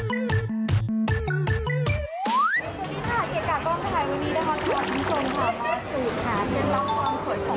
ทุกคนค่ะมาสูญค้าเที่ยวลักษณ์ความโขลดของดิวอันทุกคนนะคะ